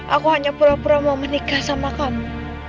aku hanya pura pura mau menikah sama kamu